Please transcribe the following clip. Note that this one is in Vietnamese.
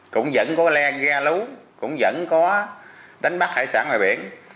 cũng vẫn có le ra lú cũng vẫn có đánh bắt hải sản ngoài biển